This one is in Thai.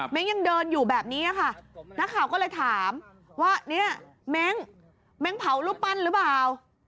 ยังเดินอยู่แบบนี้ค่ะนักข่าวก็เลยถามว่าเนี่ยเม้งเม้งเผารูปปั้นหรือเปล่า